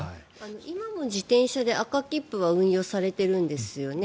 今も自転車で、赤切符は運用されてるんですよね。